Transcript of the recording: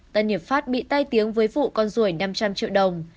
tân hiệp pháp bị tay tiêu với vụ con ruồi năm trăm linh triệu đồng